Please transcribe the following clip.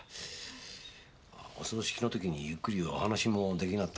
お葬式の時にゆっくりお話も出来なかったもんで。